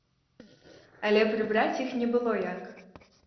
Але прыбраць іх не было як.